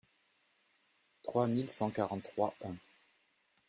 trois mille cent quarante-trois-un.